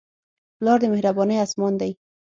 پلار د مهربانۍ اسمان دی.